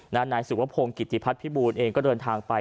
นายสุวพงศ์กิติพัฒนภิบูลเองก็เดินทางไป